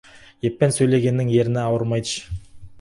Еппен сөйлегеннің ерні ауырмайды.